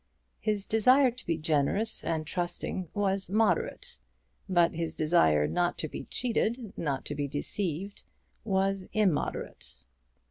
His desire to be generous and trusting was moderate; but his desire not to be cheated, not to be deceived, was immoderate.